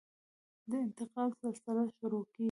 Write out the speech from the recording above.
د انتقام سلسله شروع کېږي.